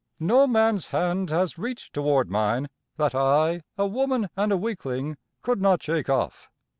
No man's hand has reached toward mine that I, a woman and a weakling, could not shake off.